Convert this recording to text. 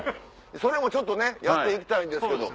それもちょっとねやって行きたいんですけど。